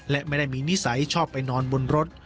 และไม่ได้มีนิสัยชอบไปนอนบนรถ